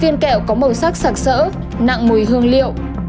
viên kẹo có màu sắc sạc sỡ nặng mùi hương liệu